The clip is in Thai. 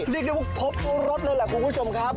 เดี๋ยวพบรถเลยแหละคุณผู้ชมครับ